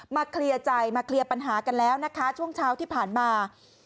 เคลียร์ใจมาเคลียร์ปัญหากันแล้วนะคะช่วงเช้าที่ผ่านมา